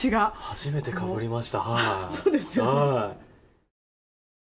初めてかぶりました。